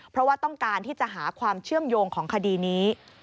เพราะว่าต้องการที่จะหาความเชื่อมโยงของคดีนี้